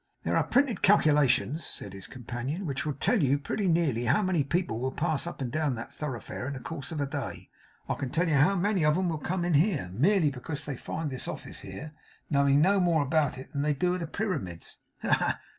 'There are printed calculations,' said his companion, 'which will tell you pretty nearly how many people will pass up and down that thoroughfare in the course of a day. I can tell you how many of 'em will come in here, merely because they find this office here; knowing no more about it than they do of the Pyramids. Ha, ha!